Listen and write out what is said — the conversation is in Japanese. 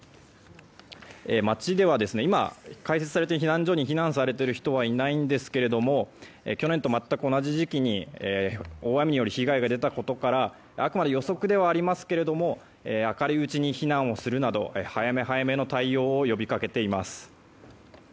町では今開設されている避難所に避難されている方はいないんですが去年と全く同じ時期に大雨による被害が出たことからあくまで予測ですが明るいうちに避難をするなど早め早めの対応を呼びかけています。